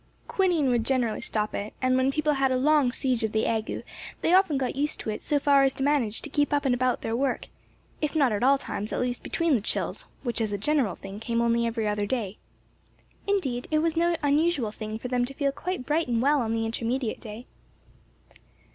"Quinine would generally stop it, and when people had a long siege of the ague, they often got used to it so far as to manage to keep up and about their work; if not at all times at least between the chills, which as a general thing came only every other day. "Indeed it was no unusual thing for them to feel quite bright and well on the intermediate day."